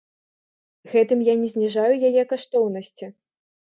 Гэтым я не зніжаю яе каштоўнасці.